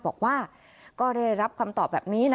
บอกว่าก็ได้รับคำตอบแบบนี้นะ